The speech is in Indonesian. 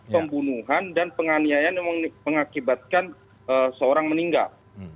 pembunuhan dan penganiayaan yang mengakibatkan seorang meninggal